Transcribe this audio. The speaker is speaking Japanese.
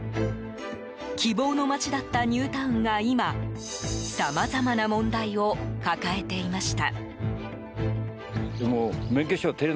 希望の街だったニュータウンが今さまざまな問題を抱えていました。